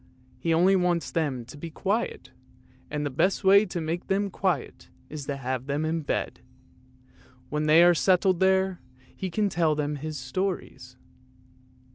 He only wants them to be quiet, and the best way to make them quiet is to have them in bed ; when they are settled there, he can tell them his stories.